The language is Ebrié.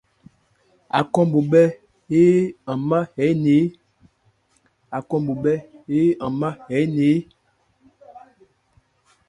Ácɔn bhɔbhé hɛ nman énɛn ɛ̀ ?